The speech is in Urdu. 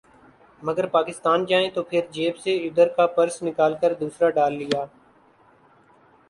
مگر پاکستان جائیں تو پھر جیب سے ادھر کا پرس نکال کر دوسرا ڈال لیا